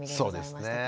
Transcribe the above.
そうですね。